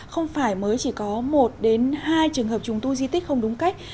không phải mới chỉ có một hai trường hợp trùng tu di tích không đúng cách